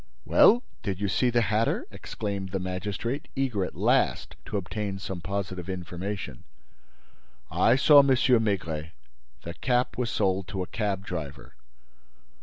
"Well, did you see the hatter?" exclaimed the magistrate, eager at last to obtain some positive information. "I saw M. Maigret. The cap was sold to a cab driver."